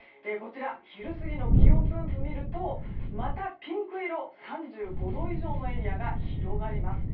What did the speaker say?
昼過ぎの気温分布をみるとまたピンク色３５度以上のエリアが広がります。